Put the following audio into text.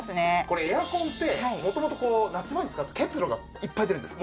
これエアコンって元々夏場に使うと結露がいっぱい出るんです。